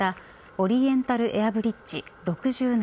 オリエンタルエアブリッジ６７